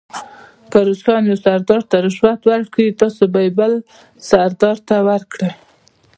که روسان یو سردار ته رشوت ورکړي تاسې به یې بل سردار ته ورکړئ.